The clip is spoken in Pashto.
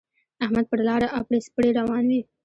احمد پر لاره اپړې سپړې روان وِي.